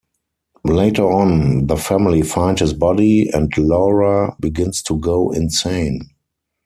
Later on, the family find his body, and Laura begins to go insane.